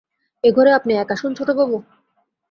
এ ঘরে আপনি একা শোন ছোটবাবু?